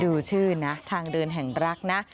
ดูชื่อนะทางเดินแห่งรักนะ